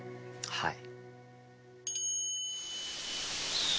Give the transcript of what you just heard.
はい。